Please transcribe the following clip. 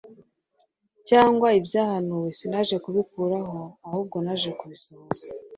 cyangwa ibyahariuwe. Sinaje kubikuraho, ahubwo naje kubisohoza.»